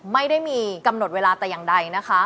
ไม่ได้มีกำหนดเวลาแต่อย่างใดนะคะ